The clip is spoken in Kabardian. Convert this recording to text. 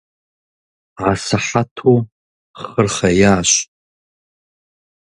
Асыхьэту хъыр хъеящ.